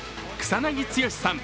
草なぎ剛さん